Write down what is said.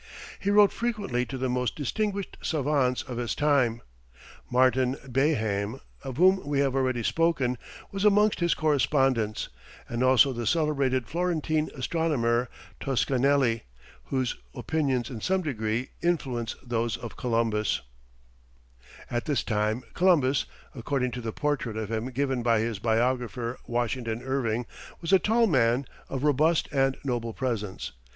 He wrote frequently to the most distinguished savants of his time. Martin Béhaim, of whom we have already spoken, was amongst his correspondents, and also the celebrated Florentine astronomer, Toscanelli, whose opinions in some degree influenced those of Columbus. [Illustration: A Spanish Port.] At this time Columbus, according to the portrait of him given by his biographer Washington Irving, was a tall man, of robust and noble presence.